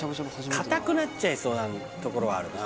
硬くなっちゃいそうなところはあるな